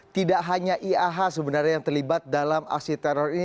tidak hanya ia sebenarnya yang terlibat dalam aksi teror ini